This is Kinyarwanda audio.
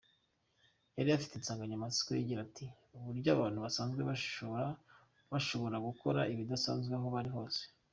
Yari ifite insanganyamatsiko igira iti “Uburyo abantu basanzwe bashobora gukora ibidasanzwe aho bari hose.